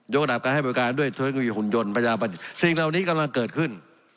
ยกดับการให้บริการด้วยทฤษณียุคุณยนต์ประหยาบรรยาสิ่งเหล่านี้กำลังเกิดขึ้น